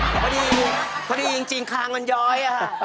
พอดีพอดีจริงคางมันย้อยค่ะ